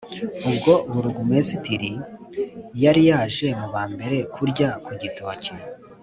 ubwo burugumesitiri yari yaje mu ba mbere kurya ku gitoki